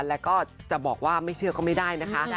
แล้วก็จะบอกว่าไม่เชื่อก็ไม่ได้นะคะ